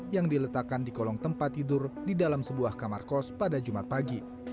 yang diletakkan di kolong tempat tidur di dalam sebuah kamar kos pada jumat pagi